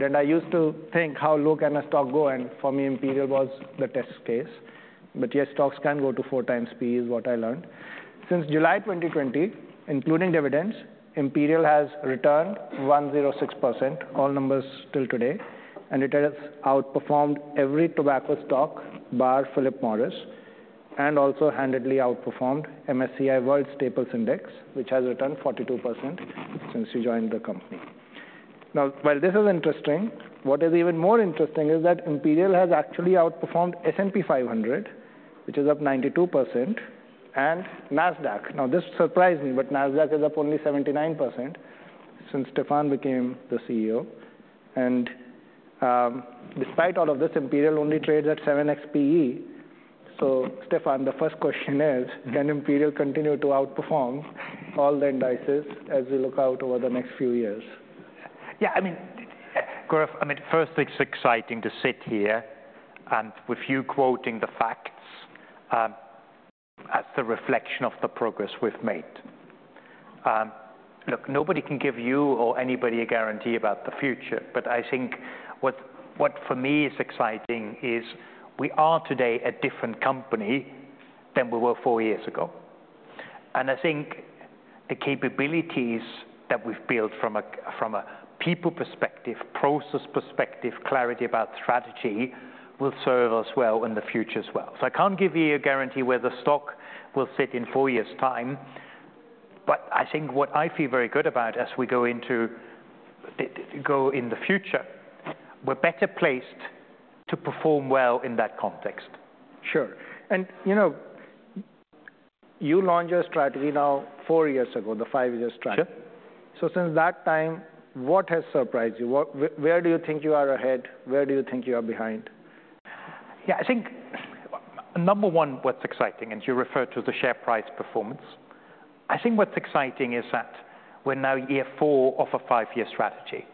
And I used to think, how low can a stock go? And for me, Imperial was the test case. But, yes, stocks can go to four times PE is what I learned. Since July 2020, including dividends, Imperial has returned 106%, all numbers till today, and it has outperformed every tobacco stock bar Philip Morris, and also handily outperformed MSCI World Staples Index, which has returned 42% since you joined the company. Now, while this is interesting, what is even more interesting is that Imperial has actually outperformed S&P 500, which is up 92%, and Nasdaq. Now, this surprised me, but Nasdaq is up only 79% since Stefan became the CEO. And, despite all of this, Imperial only trades at 7x P/E. So, Stefan, the first question is: Can Imperial continue to outperform all the indices as we look out over the next few years? Yeah, I mean, Gaurav, I mean, firstly, it's exciting to sit here, and with you quoting the facts, as the reflection of the progress we've made. Look, nobody can give you or anybody a guarantee about the future, but I think what for me is exciting is we are today a different company than we were four years ago, and I think the capabilities that we've built from a people perspective, process perspective, clarity about strategy, will serve us well in the future as well, so I can't give you a guarantee where the stock will sit in four years' time, but I think what I feel very good about as we go into the future, we're better placed to perform well in that context. Sure. And, you know, you launched your strategy now four years ago, the five-year strategy. Sure. So since that time, what has surprised you? What... where do you think you are ahead? Where do you think you are behind? Yeah, I think, number one, what's exciting, and you referred to the share price performance. I think what's exciting is that we're now year four of a five-year strategy.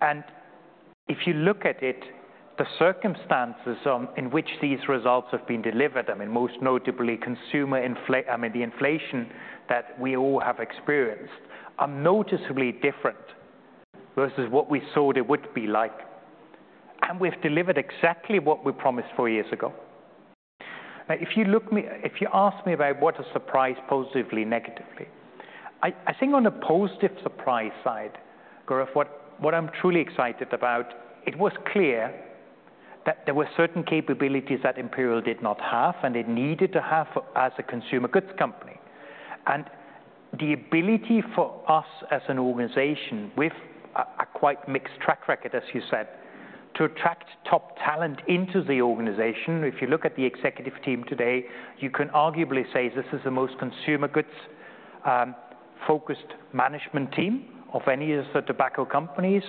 And if you look at it, the circumstances in which these results have been delivered, I mean, most notably the inflation that we all have experienced, are noticeably different versus what we thought it would be like. And we've delivered exactly what we promised four years ago. Now, if you ask me about what a surprise, positively, negatively, I think on a positive surprise side, Gaurav, what I'm truly excited about, it was clear that there were certain capabilities that Imperial did not have, and it needed to have as a consumer goods company. The ability for us as an organization, with a quite mixed track record, as you said, to attract top talent into the organization. If you look at the executive team today, you can arguably say this is the most consumer goods focused management team of any of the tobacco companies,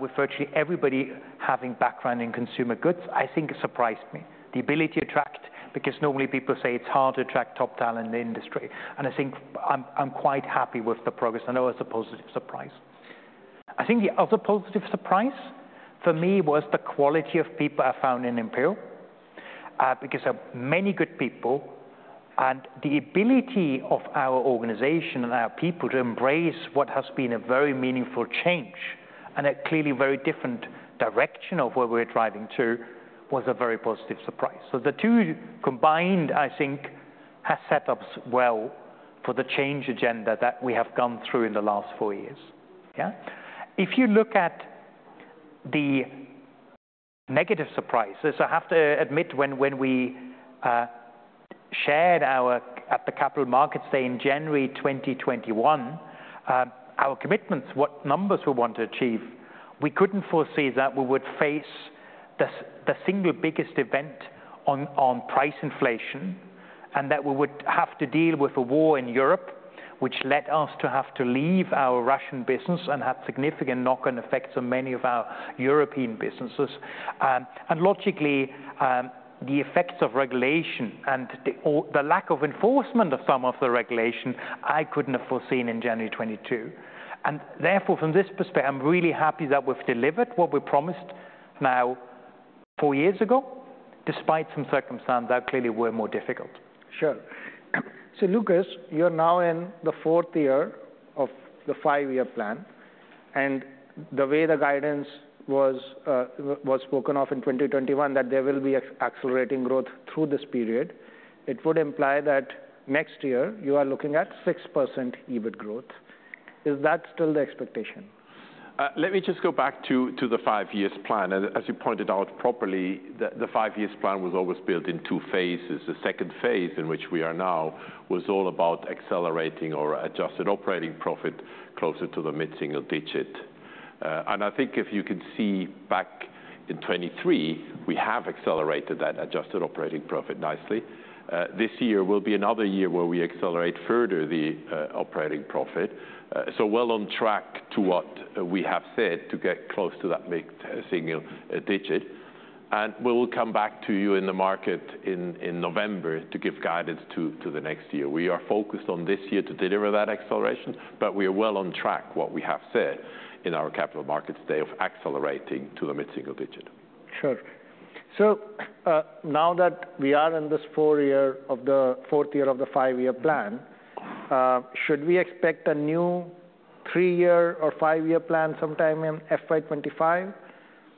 with virtually everybody having background in consumer goods. I think surprised me. The ability to attract, because normally people say it's hard to attract top talent in the industry, and I think I'm quite happy with the progress. I know it's a positive surprise. I think the other positive surprise for me was the quality of people I found in Imperial, because of many good people, and the ability of our organization and our people to embrace what has been a very meaningful change, and a clearly very different direction of where we're driving to, was a very positive surprise. So the two combined, I think, has set up well for the change agenda that we have gone through in the last four years. Yeah. If you look at the negative surprises, I have to admit, when we shared our... At the Capital Markets Day in January 2021, our commitments, what numbers we want to achieve, we couldn't foresee that we would face the single biggest event on price inflation, and that we would have to deal with a war in Europe, which led us to have to leave our Russian business and have significant knock-on effects on many of our European businesses. Logically, the effects of regulation and the lack of enforcement of some of the regulation, I couldn't have foreseen in January 2022. Therefore, from this perspective, I'm really happy that we've delivered what we promised now four years ago, despite some circumstances that clearly were more difficult. Sure. So, Lukas, you're now in the fourth year of the five-year plan, and the way the guidance was spoken of in 2021, that there will be accelerating growth through this period, it would imply that next year you are looking at 6% EBIT growth. Is that still the expectation? Let me just go back to the five years plan. As you pointed out properly, the five years plan was always built in two phases. The second phase, in which we are now, was all about accelerating our adjusted operating profit closer to the mid-single digit. And I think if you can see back in 2023, we have accelerated that adjusted operating profit nicely. This year will be another year where we accelerate further the operating profit, so well on track to what we have said to get close to that mid-single digit. And we will come back to you in the market in November to give guidance to the next year. We are focused on this year to deliver that acceleration, but we are well on track what we have said in our Capital Markets Day of accelerating to a mid-single digit. Sure. So, now that we are in this fourth year of the five-year plan, should we expect a new three-year or five-year plan sometime in FY 2025?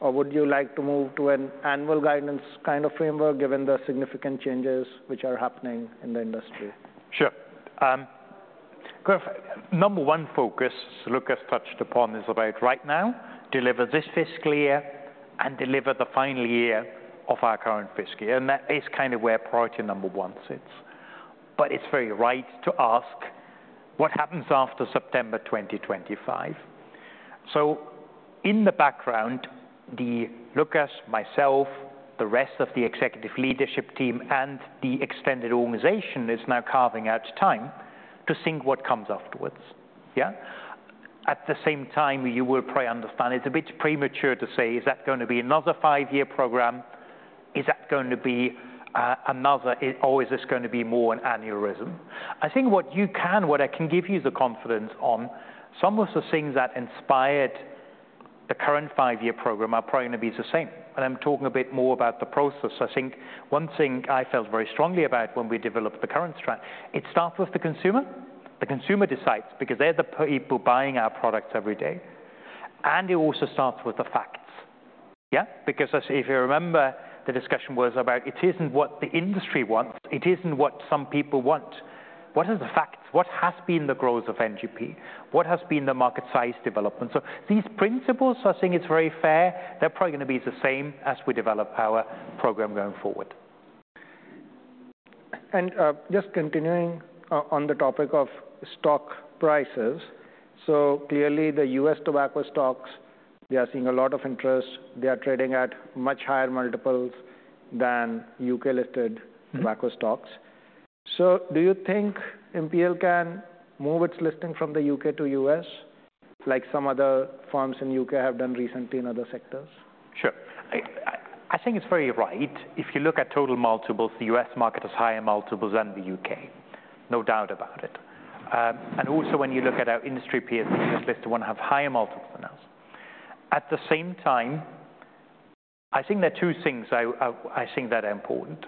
Or would you like to move to an annual guidance kind of framework, given the significant changes which are happening in the industry? Sure. Number one focus, Lukas touched upon, is about right now, deliver this fiscal year and deliver the final year of our current fiscal year, and that is kind of where priority number one sits. But it's very right to ask what happens after September twenty twenty-five. So in the background, Lukas, myself, the rest of the executive leadership team, and the extended organization is now carving out time to think what comes afterwards. Yeah? At the same time, you will probably understand it's a bit premature to say, is that gonna be another five-year program? Is that going to be another, or is this gonna be more an annual rhythm? I think what I can give you the confidence on, some of the things that inspired the current five-year program are probably gonna be the same, and I'm talking a bit more about the process. I think one thing I felt very strongly about when we developed the current strat, it starts with the consumer. The consumer decides, because they're the people buying our products every day. And it also starts with the facts. Yeah? Because, if you remember, the discussion was about it isn't what the industry wants, it isn't what some people want. What are the facts? What has been the growth of NGP? What has been the market size development? So these principles, I think it's very fair, they're probably gonna be the same as we develop our program going forward. Just continuing on the topic of stock prices, so clearly, the U.S. tobacco stocks, they are seeing a lot of interest. They are trading at much higher multiples than U.K.-listed- Mm-hmm. non-tobacco stocks. So do you think Imperial can move its listing from the U.K. to U.S., like some other firms in U.K. have done recently in other sectors? Sure. I think it's very right. If you look at total multiples, the U.S. market has higher multiples than the U.K., no doubt about it. And also, when you look at our industry peers, those listed want to have higher multiples than us. At the same time, I think there are two things I think that are important.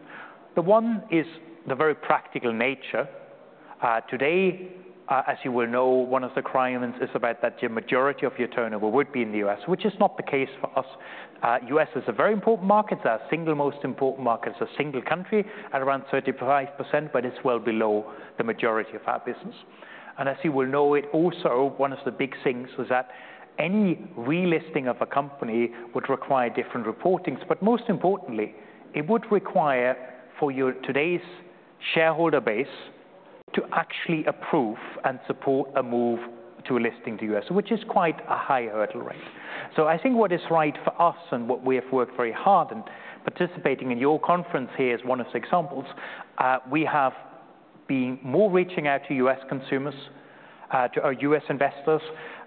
The one is the very practical nature. Today, as you will know, one of the requirements is about that the majority of your turnover would be in the U.S., which is not the case for us. U.S. is a very important market, it's our single most important market, as a single country, at around 35%, but it's well below the majority of our business. And as you will know, it also, one of the big things was that any relisting of a company would require different reportings, but most importantly, it would require for your today's shareholder base to actually approve and support a move to a listing to U.S., which is quite a high hurdle rate, so I think what is right for us and what we have worked very hard, and participating in your conference here is one of the examples, we have been more reaching out to U.S. consumers, to our U.S. investors,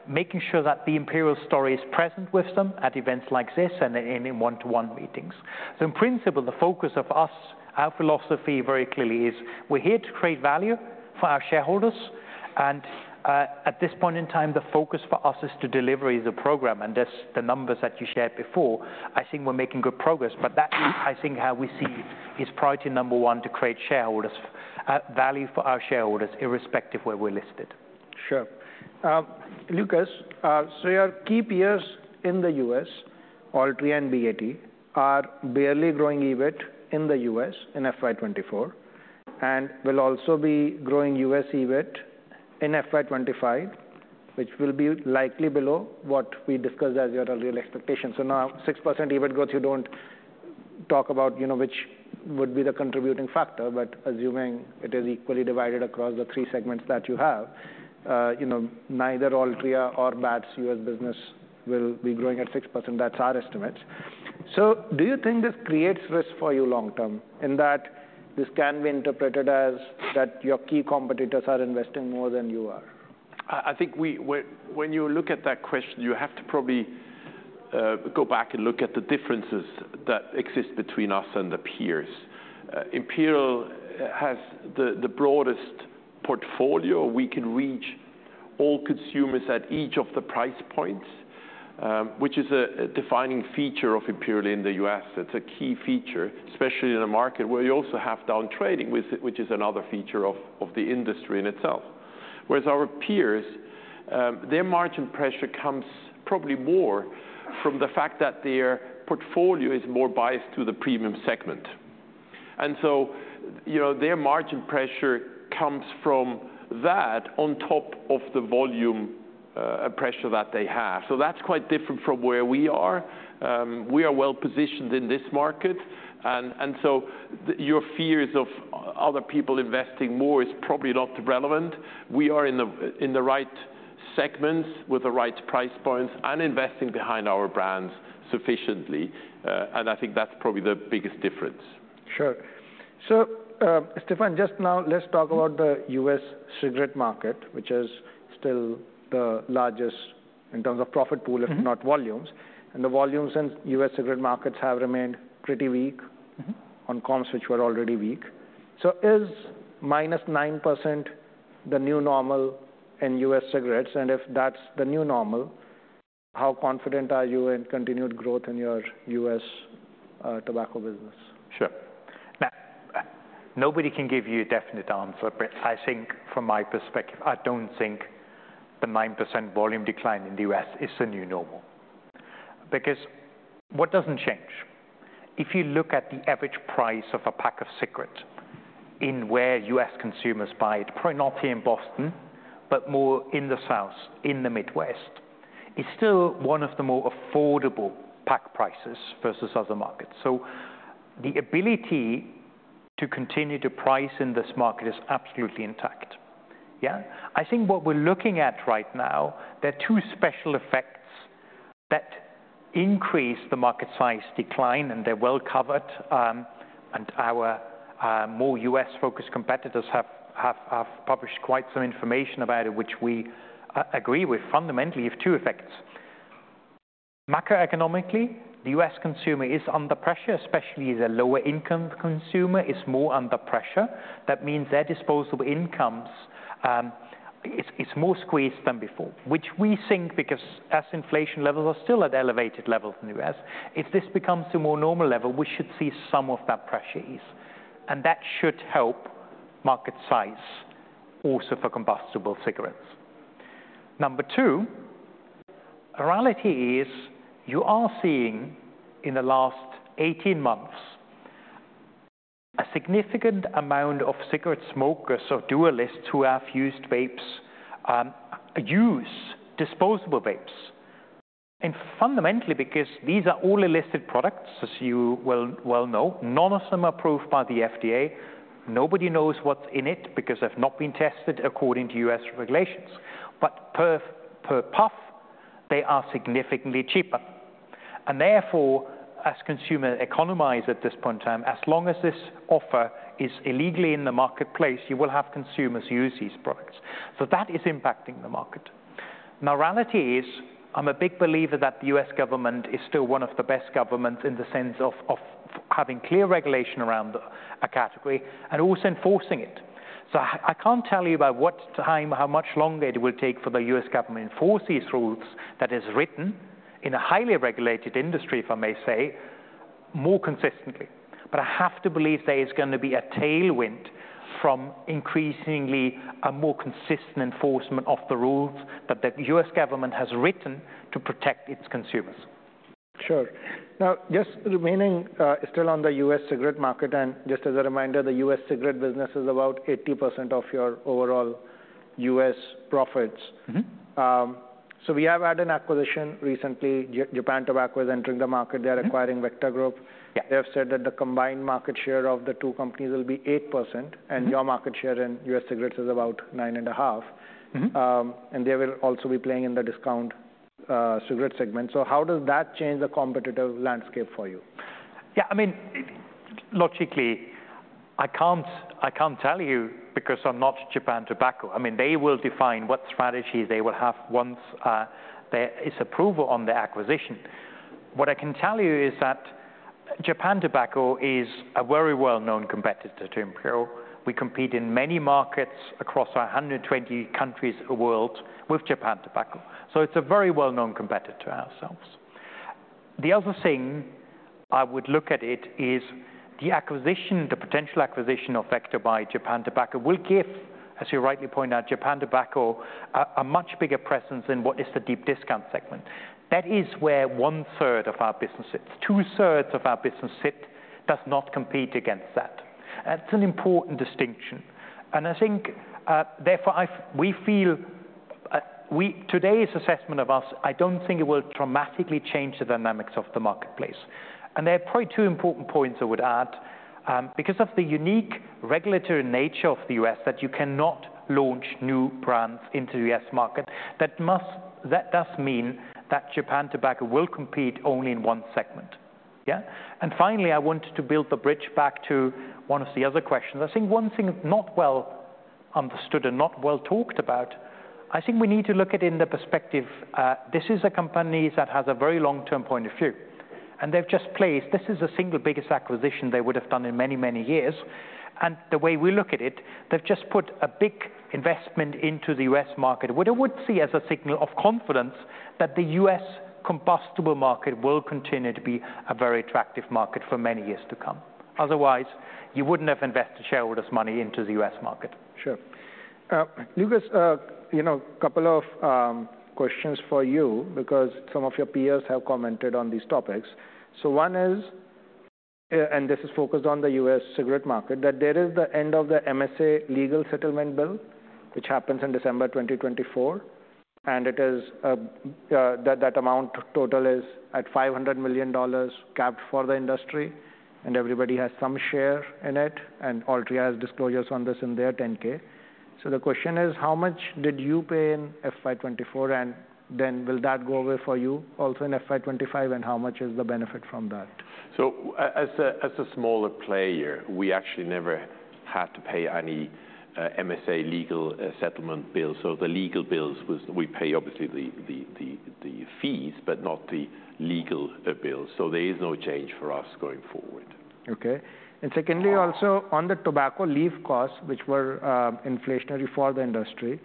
making sure that the Imperial story is present with them at events like this, and in one-to-one meetings. So in principle, the focus of us, our philosophy very clearly is, we're here to create value for our shareholders, and, at this point in time, the focus for us is to deliver the program, and that's the numbers that you shared before. I think we're making good progress, but that is, I think, how we see is priority number one, to create shareholders, value for our shareholders, irrespective where we're listed. Sure. Lukas, so your key peers in the U.S., Altria and BAT, are barely growing EBIT in the U.S. in FY 2024, and will also be growing U.S. EBIT in FY 2025, which will be likely below what we discussed as your real expectation. So now 6% EBIT growth, you don't talk about, you know, which would be the contributing factor, but assuming it is equally divided across the three segments that you have, you know, neither Altria or BAT's U.S. business will be growing at 6%, that's our estimate. So do you think this creates risk for you long term, in that this can be interpreted as that your key competitors are investing more than you are? I think we, when you look at that question, you have to probably go back and look at the differences that exist between us and the peers. Imperial has the broadest portfolio. We can reach all consumers at each of the price points, which is a defining feature of Imperial in the U.S. It's a key feature, especially in a market where you also have down trading, which is another feature of the industry in itself. Whereas our peers, their margin pressure comes probably more from the fact that their portfolio is more biased to the premium segment. And so, you know, their margin pressure comes from that on top of the volume pressure that they have. So that's quite different from where we are. We are well positioned in this market, and so your fears of other people investing more is probably not relevant. We are in the right segments with the right price points and investing behind our brands sufficiently, and I think that's probably the biggest difference. Sure. So, Stefan, just now, let's talk about the U.S. cigarette market, which is still the largest in terms of profit pool- Mm-hmm If not volumes, and the volumes in U.S. cigarette markets have remained pretty weak- Mm-hmm On comps, which were already weak. So is minus 9% the new normal in U.S. cigarettes? And if that's the new normal. How confident are you in continued growth in your U.S. tobacco business? Sure. Now, nobody can give you a definite answer, but I think from my perspective, I don't think the 9% volume decline in the U.S. is the new normal. Because what doesn't change? If you look at the average price of a pack of cigarettes in where U.S. consumers buy it, probably not here in Boston, but more in the South, in the Midwest, it's still one of the more affordable pack prices versus other markets. So the ability to continue to price in this market is absolutely intact. Yeah? I think what we're looking at right now, there are two special effects that increase the market size decline, and they're well covered, and our more U.S.-focused competitors have published quite some information about it, which we agree with. Fundamentally, you have two effects. Macroeconomically, the U.S. consumer is under pressure, especially the lower income consumer is more under pressure. That means their disposable incomes is more squeezed than before, which we think because as inflation levels are still at elevated levels in the U.S., if this becomes to more normal level, we should see some of that pressure ease, and that should help market size also for combustible cigarettes. Number two, reality is, you are seeing in the last eighteen months, a significant amount of cigarette smokers or dualists who have used vapes use disposable vapes. And fundamentally, because these are all illicit products, as you well know, none of them are approved by the FDA. Nobody knows what's in it because they've not been tested according to U.S. regulations. But per puff, they are significantly cheaper. Therefore, as consumers economize at this point in time, as long as this offer is illegal in the marketplace, you will have consumers use these products. That is impacting the market. Now, reality is, I'm a big believer that the U.S. government is still one of the best governments in the sense of having clear regulation around a category, and also enforcing it. I can't tell you about what time, how much longer it will take for the U.S. government to enforce these rules that is written in a highly regulated industry, if I may say, more consistently. I have to believe there is gonna be a tailwind from increasingly a more consistent enforcement of the rules that the U.S. government has written to protect its consumers. Sure. Now, just remaining, still on the U.S. cigarette market, and just as a reminder, the U.S. cigarette business is about 80% of your overall U.S. profits. Mm-hmm. So we have had an acquisition recently. Japan Tobacco is entering the market. Mm-hmm. They are acquiring Vector Group. Yeah. They have said that the combined market share of the two companies will be 8%- Mm-hmm. and your market share in U.S. cigarettes is about nine and a half. Mm-hmm. And they will also be playing in the discount cigarette segment. So how does that change the competitive landscape for you? Yeah, I mean, logically, I can't, I can't tell you because I'm not Japan Tobacco. I mean, they will define what strategy they will have once there is approval on the acquisition. What I can tell you is that Japan Tobacco is a very well-known competitor to Imperial. We compete in many markets across a hundred and twenty countries of the world with Japan Tobacco, so it's a very well-known competitor to ourselves. The other thing I would look at it, is the acquisition, the potential acquisition of Vector by Japan Tobacco will give, as you rightly point out, Japan Tobacco, a much bigger presence in what is the deep discount segment. That is where one third of our business sits. Two-thirds of our business sit, does not compete against that. That's an important distinction, and I think, therefore, we feel, we... Today's assessment of us, I don't think it will dramatically change the dynamics of the marketplace. And there are probably two important points I would add. Because of the unique regulatory nature of the U.S., that you cannot launch new brands into the U.S. market, that does mean that Japan Tobacco will compete only in one segment. Yeah? And finally, I wanted to build the bridge back to one of the other questions. I think one thing not well understood and not well talked about, I think we need to look at in the perspective, this is a company that has a very long-term point of view, and they've just placed... This is the single biggest acquisition they would have done in many, many years. The way we look at it, they've just put a big investment into the U.S. market, what I would see as a signal of confidence that the U.S. combustible market will continue to be a very attractive market for many years to come. Otherwise, you wouldn't have invested shareholders' money into the U.S. market. Sure. Lukas, you know, a couple of questions for you because some of your peers have commented on these topics. So one is, and this is focused on the U.S. cigarette market, that there is the end of the MSA legal settlement bill, which happens in December 2024, and it is, that amount total is at $500 million capped for the industry, and everybody has some share in it, and Altria has disclosures on this in their 10-K. So the question is, how much did you pay in FY 2024, and then will that go away for you also in FY 2025, and how much is the benefit from that? So as a smaller player, we actually never had to pay any MSA legal settlement bills. So the legal bills we pay obviously the fees, but not the legal bills, so there is no change for us going forward. Okay. And secondly, also on the tobacco leaf costs, which were inflationary for the industry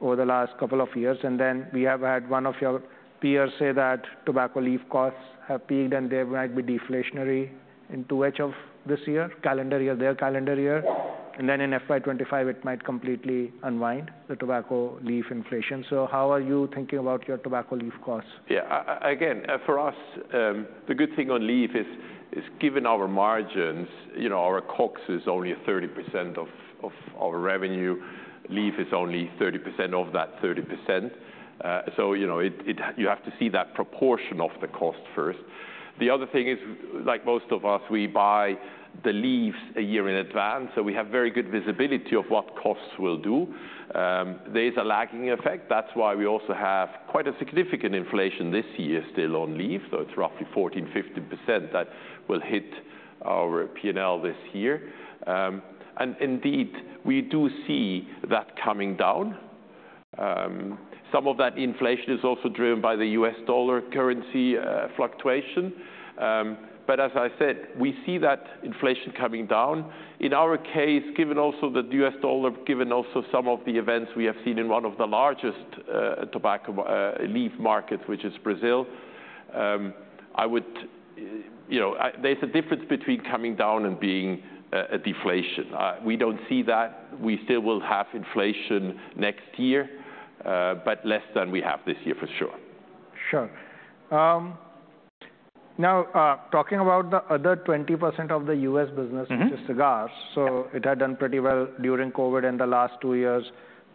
over the last couple of years, and then we have had one of your peers say that tobacco leaf costs have peaked, and they might be deflationary in 2H of this year, calendar year, their calendar year. And then in FY 2025, it might completely unwind the tobacco leaf inflation. So how are you thinking about your tobacco leaf costs? Yeah, again, for us, the good thing on leaf is given our margins, you know, our COGS is only 30% of our revenue. Leaf is only 30% of that 30%. So you know, it, you have to see that proportion of the cost first. The other thing is, like most of us, we buy the leaves a year in advance, so we have very good visibility of what costs will do. There is a lagging effect. That's why we also have quite a significant inflation this year, still on leaf, so it's roughly 14-15% that will hit our P&L this year. And indeed, we do see that coming down. Some of that inflation is also driven by the U.S. dollar currency fluctuation. But as I said, we see that inflation coming down. In our case, given also that the U.S. dollar, given also some of the events we have seen in one of the largest tobacco leaf markets, which is Brazil, I would... You know, there's a difference between coming down and being a deflation. We don't see that. We still will have inflation next year, but less than we have this year, for sure. Sure. Now, talking about the other 20% of the U.S. business- Mm-hmm which is cigars. So it had done pretty well during COVID in the last two years.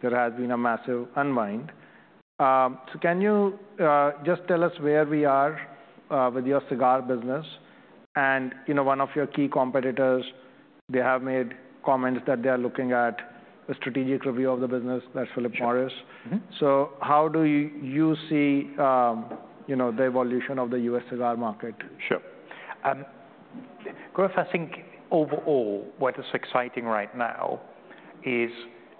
There has been a massive unwind. So can you just tell us where we are with your cigar business? And, you know, one of your key competitors, they have made comments that they are looking at a strategic review of the business- Sure. That's Philip Morris. Mm-hmm. How do you see, you know, the evolution of the U.S. cigar market? Sure. Gaurav, I think overall, what is exciting right now is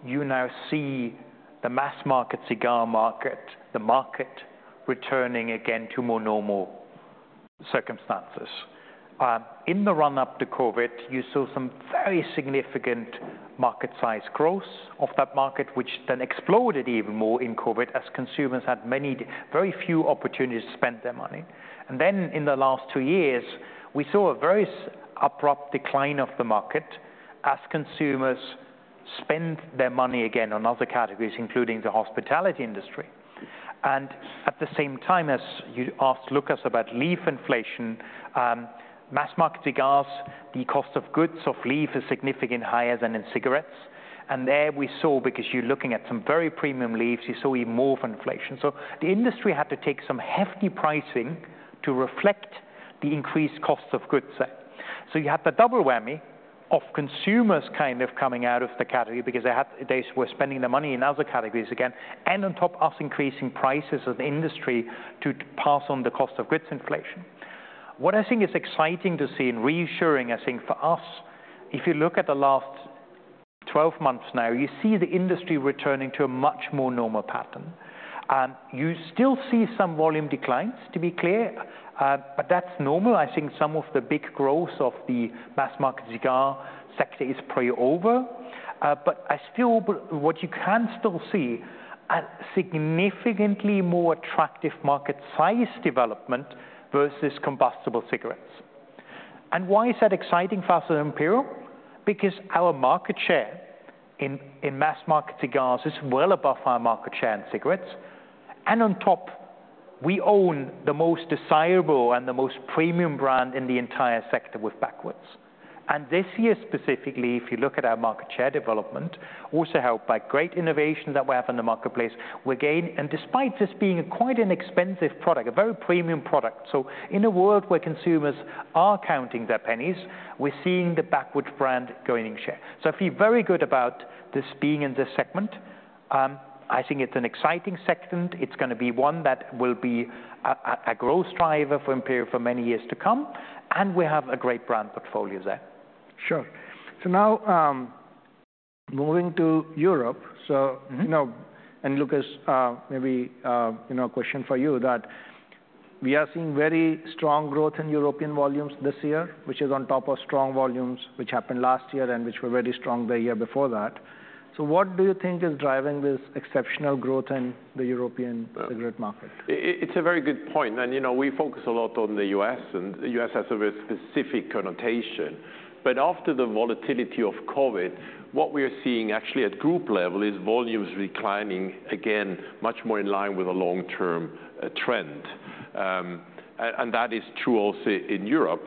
you now see the mass market cigar market, the market returning again to more normal circumstances. In the run-up to COVID, you saw some very significant market size growth of that market, which then exploded even more in COVID as consumers had very few opportunities to spend their money. And then in the last two years, we saw a abrupt decline of the market as consumers spent their money again on other categories, including the hospitality industry. And at the same time, as you asked Lukas about leaf inflation, mass market cigars, the cost of goods, of leaf is significantly higher than in cigarettes. And there we saw, because you're looking at some very premium leaves, you saw even more of inflation. So the industry had to take some hefty pricing to reflect the increased costs of goods there. So you had the double whammy of consumers kind of coming out of the category because they had - they were spending their money in other categories again, and on top, us increasing prices of the industry to pass on the cost of goods inflation. What I think is exciting to see and reassuring, I think, for us, if you look at the last twelve months now, you see the industry returning to a much more normal pattern. You still see some volume declines, to be clear, but that's normal. I think some of the big growth of the mass market cigar sector is probably over. But I still... What you can still see, a significantly more attractive market size development versus combustible cigarettes. Why is that exciting for us at Imperial? Because our market share in mass market cigars is well above our market share in cigarettes. On top, we own the most desirable and the most premium brand in the entire sector with Backwoods. This year specifically, if you look at our market share development, also helped by great innovation that we have in the marketplace, we're gaining. Despite this being quite an expensive product, a very premium product, in a world where consumers are counting their pennies, we're seeing the Backwoods brand gaining share. I feel very good about this being in this segment. I think it's an exciting segment. It's gonna be one that will be a growth driver for Imperial for many years to come, and we have a great brand portfolio there. Sure. So now, moving to Europe- Mm-hmm. So, now, and Lukas, maybe, you know, a question for you, that we are seeing very strong growth in European volumes this year, which is on top of strong volumes, which happened last year and which were very strong the year before that. So what do you think is driving this exceptional growth in the European cigarette market? It's a very good point, and, you know, we focus a lot on the U.S., and the U.S. has a very specific connotation. But after the volatility of COVID, what we are seeing actually at group level is volumes declining, again, much more in line with a long-term trend. And that is true also in Europe,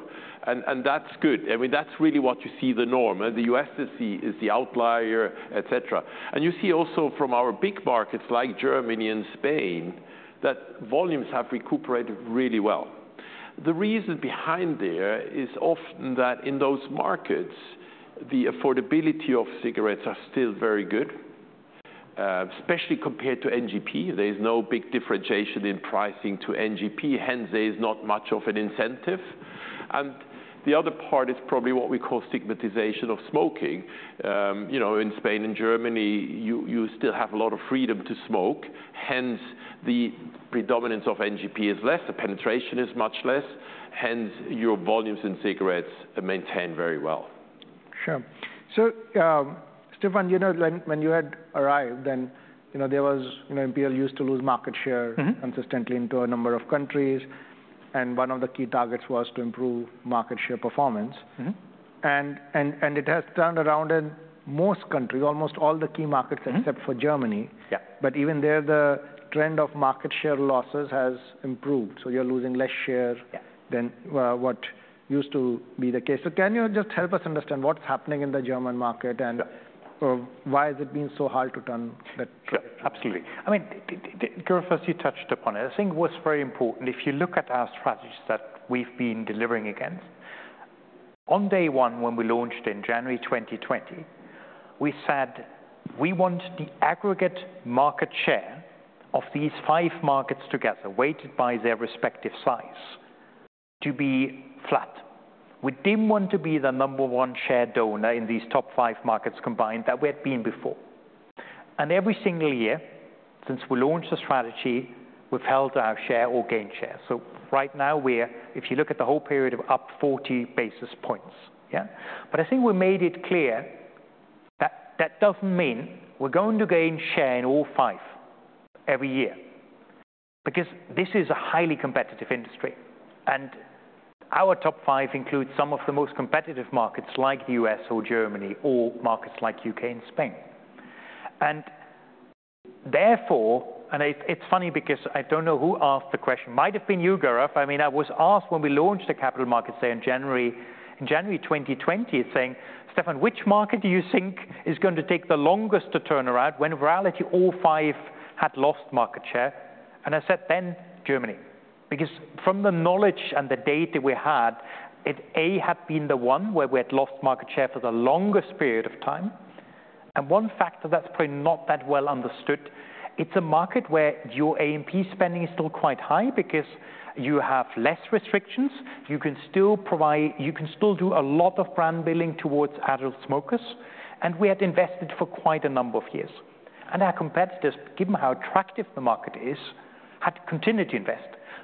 and that's good. I mean, that's really what you see the norm, and the U.S. is the outlier, et cetera. And you see also from our big markets, like Germany and Spain, that volumes have recovered really well. The reason behind that is often that in those markets, the affordability of cigarettes is still very good, especially compared to NGP. There is no big differentiation in pricing to NGP, hence, there is not much of an incentive. The other part is probably what we call stigmatization of smoking. You know, in Spain and Germany, you still have a lot of freedom to smoke, hence, the predominance of NGP is less, the penetration is much less, hence, your volumes in cigarettes are maintained very well. Sure. So, Stefan, you know, when you had arrived, then, you know, there was, you know, Imperial used to lose market share- Mm-hmm. Consistently into a number of countries, and one of the key targets was to improve market share performance. Mm-hmm. It has turned around in most countries, almost all the key markets. Mm-hmm. except for Germany. Yeah. But even there, the trend of market share losses has improved, so you're losing less share- Yeah -than, what used to be the case. So can you just help us understand what's happening in the German market, and- Yeah Why has it been so hard to turn that around? Sure. Absolutely. I mean, Gaurav, first you touched upon it. I think what's very important, if you look at our strategies that we've been delivering against, on day one, when we launched in January twenty twenty, we said we want the aggregate market share of these five markets together, weighted by their respective size, to be flat. We didn't want to be the number one share donor in these top five markets combined that we had been before. And every single year since we launched the strategy, we've held our share or gained share. So right now we're, if you look at the whole period, of up forty basis points, yeah? But I think we made it clear that that doesn't mean we're going to gain share in all five every year, because this is a highly competitive industry, and our top five includes some of the most competitive markets like U.S. or Germany, or markets like U.K. and Spain. And therefore, and it, it's funny because I don't know who asked the question. Might have been you, Gaurav. I mean, I was asked when we launched the Capital Markets Day in January 2020, saying, "Stefan, which market do you think is going to take the longest to turn around?" When in reality, all five had lost market share. And I said then, Germany, because from the knowledge and the data we had, it, a, had been the one where we had lost market share for the longest period of time. One factor that's probably not that well understood. It's a market where your A&P spending is still quite high because you have less restrictions. You can still provide... You can still do a lot of brand building towards adult smokers, and we had invested for quite a number of years. Our competitors, given how attractive the market is, had continued to invest.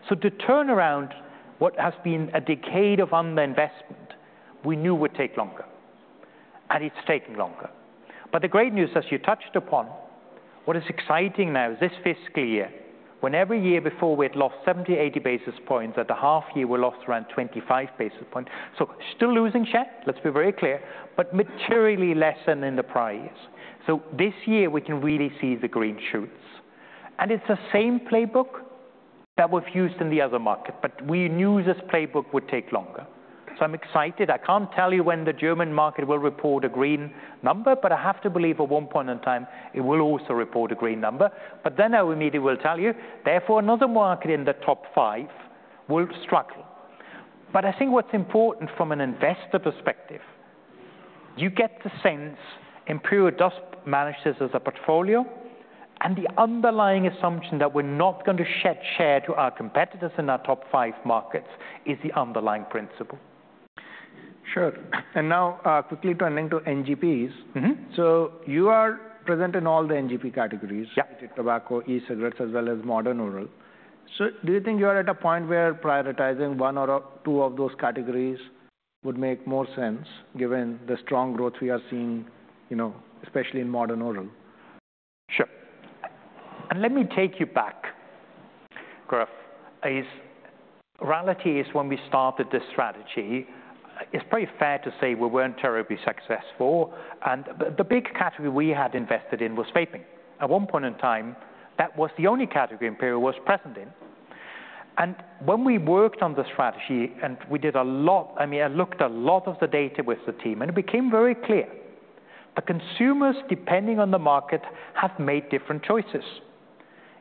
To turn around what has been a decade of underinvestment, we knew would take longer, and it's taking longer. The great news, as you touched upon, what is exciting now is this fiscal year, when every year before we had lost 70, 80 basis points. At the half year we lost around 25 basis points. Still losing share, let's be very clear, but materially less than in the prior years. This year we can really see the green shoots. And it's the same playbook that we've used in the other market, but we knew this playbook would take longer. So I'm excited. I can't tell you when the German market will report a green number, but I have to believe at one point in time it will also report a green number. But then I immediately will tell you, therefore, another market in the top five will struggle. But I think what's important from an investor perspective, you get the sense Imperial just manages as a portfolio, and the underlying assumption that we're not going to shed share to our competitors in our top five markets is the underlying principle. Sure. And now, quickly turning to NGPs. Mm-hmm. So you are present in all the NGP categories? Yeah. Tobacco, e-cigarettes, as well as modern oral. So do you think you are at a point where prioritizing one or two of those categories would make more sense, given the strong growth we are seeing, you know, especially in modern oral? Sure. And let me take you back, Gaurav. Reality is, when we started this strategy, it's pretty fair to say we weren't terribly successful, and the big category we had invested in was vaping. At one point in time, that was the only category Imperial was present in. And when we worked on the strategy, and we did a lot, I mean, I looked a lot of the data with the team, and it became very clear that consumers, depending on the market, have made different choices.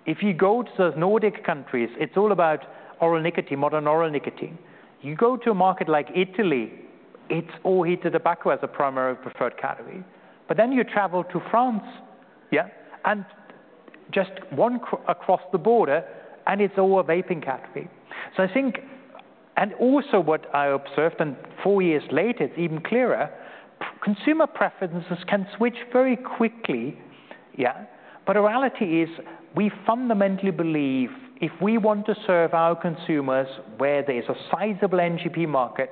If you go to the Nordic countries, it's all about oral nicotine, modern oral nicotine. You go to a market like Italy, it's all heated tobacco as a primary preferred category. But then you travel to France, yeah, and just one across the border, and it's all a vaping category. So I think... And also what I observed, and four years later, it's even clearer: consumer preferences can switch very quickly, yeah? But the reality is, we fundamentally believe if we want to serve our consumers where there's a sizable NGP market,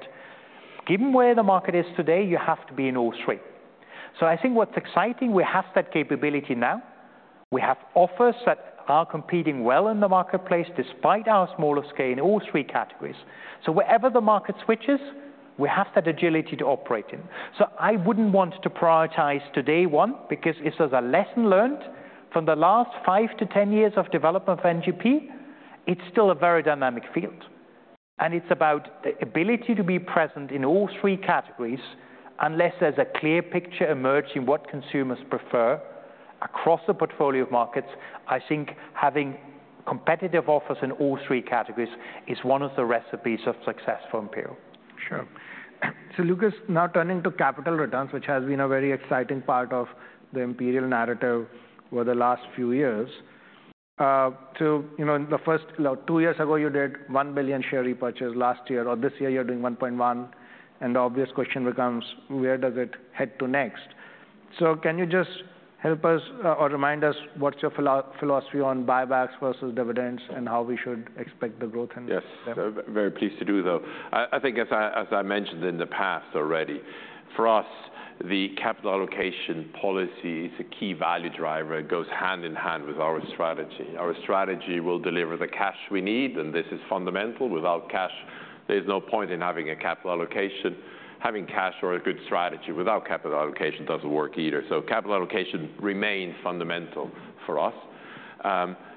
given where the market is today, you have to be in all three. So I think what's exciting: we have that capability now. We have offers that are competing well in the marketplace, despite our smaller scale, in all three categories. So wherever the market switches, we have that agility to operate in. So I wouldn't want to prioritize today one, because this is a lesson learned from the last five to ten years of development of NGP. It's still a very dynamic field, and it's about the ability to be present in all three categories. Unless there's a clear picture emerging what consumers prefer across the portfolio of markets, I think having competitive offers in all three categories is one of the recipes of success for Imperial. Sure. So Lukas, now turning to capital returns, which has been a very exciting part of the Imperial narrative over the last few years. So, you know, two years ago, you did £1 billion share repurchase last year, or this year you're doing £1.1 billion, and the obvious question becomes: where does it head to next? So can you just help us, or remind us what's your philosophy on buybacks versus dividends, and how we should expect the growth in them? Yes, very pleased to do, though. I think as I mentioned in the past already, for us, the capital allocation policy is a key value driver. It goes hand in hand with our strategy. Our strategy will deliver the cash we need, and this is fundamental. Without cash, there's no point in having a capital allocation. Having cash or a good strategy without capital allocation doesn't work either. So capital allocation remains fundamental for us.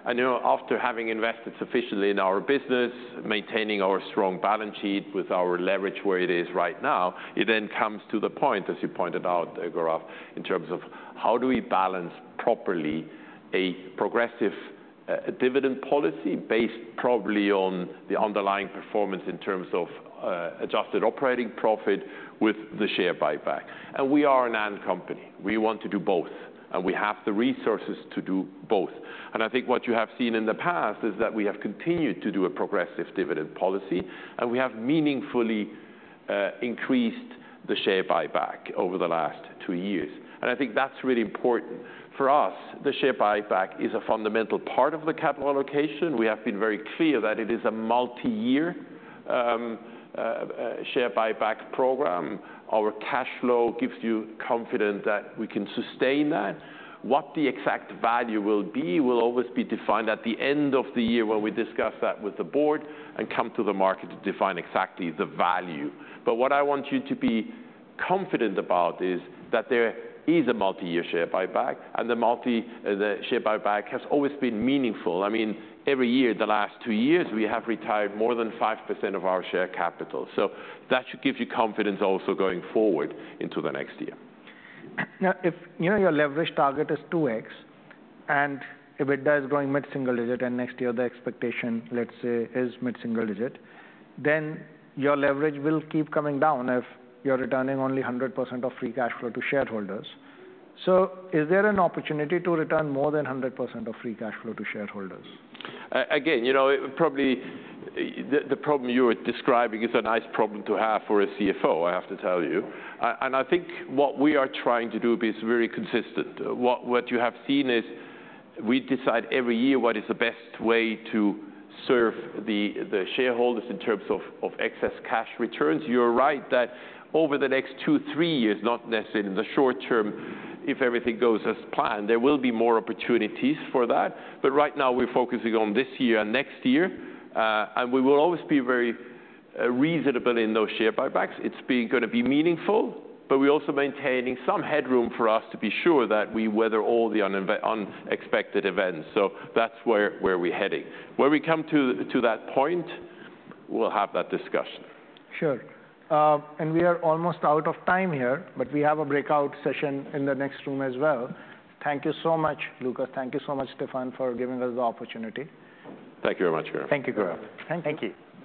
And, you know, after having invested sufficiently in our business, maintaining our strong balance sheet with our leverage where it is right now, it then comes to the point, as you pointed out, Gaurav, in terms of how do we balance properly a progressive dividend policy based probably on the underlying performance in terms of adjusted operating profit with the share buyback? And we are an and company. We want to do both, and we have the resources to do both. And I think what you have seen in the past is that we have continued to do a progressive dividend policy, and we have meaningfully increased the share buyback over the last two years. And I think that's really important. For us, the share buyback is a fundamental part of the capital allocation. We have been very clear that it is a multi-year share buyback program. Our cash flow gives you confidence that we can sustain that. What the exact value will be will always be defined at the end of the year when we discuss that with the board and come to the market to define exactly the value. But what I want you to be confident about is that there is a multi-year share buyback, and the share buyback has always been meaningful. I mean, every year, the last two years, we have retired more than 5% of our share capital. So that should give you confidence also going forward into the next year. Now, if you know your leverage target is 2x, and EBITDA is growing mid-single digit, and next year the expectation, let's say, is mid-single digit, then your leverage will keep coming down if you're returning only 100% of free cash flow to shareholders. So is there an opportunity to return more than 100% of free cash flow to shareholders? Again, you know, probably the problem you are describing is a nice problem to have for a CFO, I have to tell you, and I think what we are trying to do is be very consistent. What you have seen is we decide every year what is the best way to serve the shareholders in terms of excess cash returns. You're right that over the next two, three years, not necessarily in the short term, if everything goes as planned, there will be more opportunities for that, but right now we're focusing on this year and next year, and we will always be very reasonable in those share buybacks. It's gonna be meaningful, but we're also maintaining some headroom for us to be sure that we weather all the unexpected events. So that's where we're heading. When we come to that point, we'll have that discussion. Sure. And we are almost out of time here, but we have a breakout session in the next room as well. Thank you so much, Lukas. Thank you so much, Stefan, for giving us the opportunity. Thank you very much, Gaurav. Thank you, Gaurav. Thank you. Thank you.